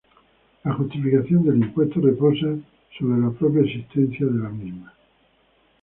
La justificación del impuesto reposa sobre la propia existencia de la misma.